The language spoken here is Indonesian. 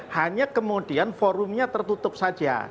hanya kemudian forumnya tertutup saja